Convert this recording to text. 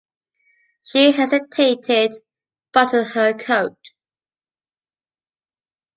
She hesitated, buttoned her coat.